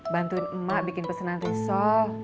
bantuin emak bikin pesenan riso